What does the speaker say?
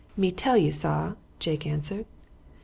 "Me tell you, sar," Jake answered.